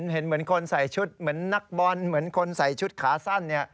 เหมือนคนใส่ชุดเหมือนนักบอลเหมือนคนใส่ชุดขาสั้น